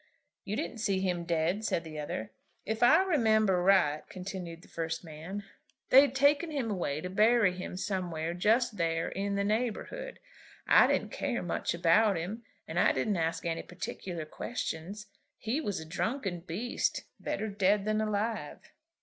"You didn't see him dead," said the other. "If I remember right," continued the first man, "they'd taken him away to bury him somewhere just there in the neighbourhood. I didn't care much about him, and I didn't ask any particular questions. He was a drunken beast, better dead than alive."